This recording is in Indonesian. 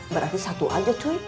berarti satu aja cuy